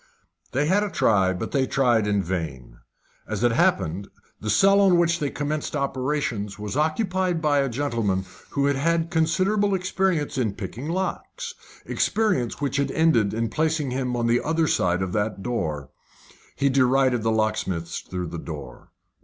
They had a try, but they tried in vain. As it happened, the cell on which they commenced operations was occupied by a gentleman who had had a considerable experience in picking locks experience which had ended in placing him on the other side that door. He derided the locksmiths through the door.